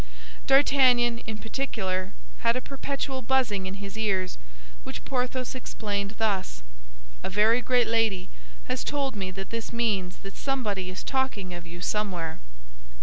D'Artagnan, in particular, had a perpetual buzzing in his ears, which Porthos explained thus: "A very great lady has told me that this means that somebody is talking of you somewhere."